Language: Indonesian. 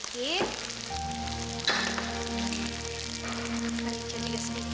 terima kasih pak